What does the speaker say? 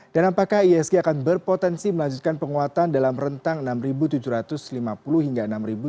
dan apakah iasg akan berpotensi melanjutkan penguatan dalam rentang enam tujuh ratus lima puluh hingga enam tujuh ratus delapan puluh